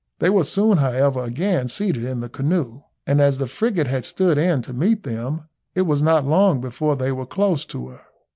They were soon, however, again seated in the canoe; and as the frigate had stood in to meet them, it was not long before they were close to her.